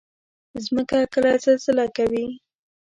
مځکه کله زلزله کوي.